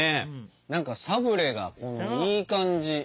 何かサブレがいい感じ。